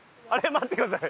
待ってください。